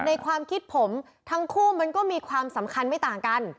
ในความคิดผมทั้งคู่มันก็มีความสำคัญไม่ต่างกัน